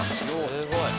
すごい。